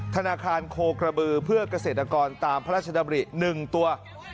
ธนาคารโคกระบือเพื่อเกษตรกรตามพระราชดำริ๑ตัว